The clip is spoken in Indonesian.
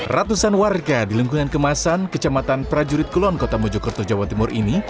ratusan warga di lingkungan kemasan kecamatan prajurit kulon kota mojokerto jawa timur ini